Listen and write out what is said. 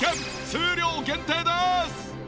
数量限定です！